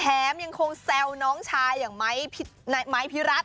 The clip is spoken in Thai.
แถมก๊อฟแซวน้องชายอย่างไมค์ไมค์พิรัต